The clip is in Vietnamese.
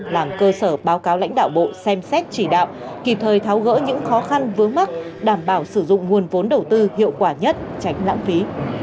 làm cơ sở báo cáo lãnh đạo bộ xem xét chỉ đạo kịp thời tháo gỡ những khó khăn vướng mắt đảm bảo sử dụng nguồn vốn đầu tư hiệu quả nhất tránh lãng phí